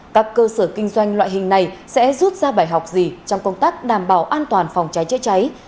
các cơ sở kinh doanh loại hình này sẽ rút ra bài học gì trong công tác đảm bảo an toàn phòng cháy chữa cháy